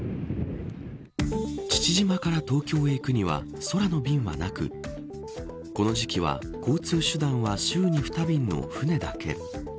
父島から東京へ行くには空の便はなくこの時期は交通手段は週に２便の船だけ。